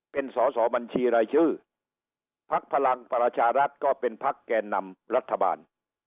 เป็นสอสอบัญชีรายชื่อพักพลังประชารัฐก็เป็นพักแก่นำรัฐบาล